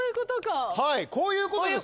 はいこういうことです